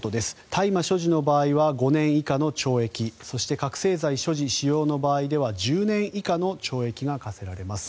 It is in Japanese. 大麻所持の場合は５年以下の懲役そして覚醒剤所持・使用の場合では１０年以下の懲役が科されます。